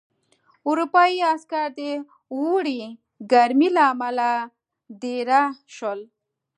اروپايي عسکر د اوړي ګرمۍ له امله دېره شول.